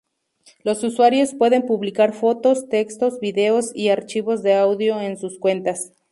Los usuarios pueden publicar fotos, textos, vídeos y archivos de audio en sus cuentas.